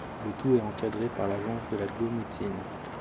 Le tout est encadré par l'Agence de la biomédecine.